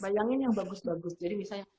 bayangin yang bagus bagus jadi misalnya